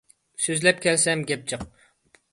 سۆزلەپ كەلسەم گەپ جىق!